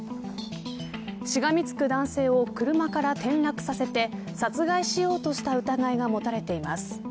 しがみつく男性を車から転落させて殺害しようとした疑いが持たれています。